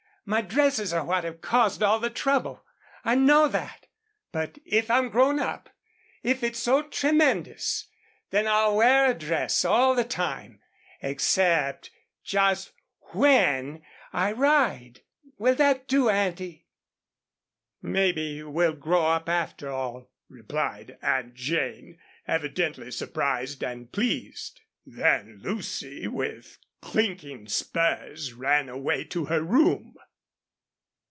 My dresses are what have caused all the trouble. I know that. But if I'm grown up if it's so tremendous then I'll wear a dress all the time, except just WHEN I ride. Will that do, Auntie?" "Maybe you will grow up, after all," replied Aunt Jane, evidently surprised and pleased. Then Lucy with clinking spurs ran away to her room.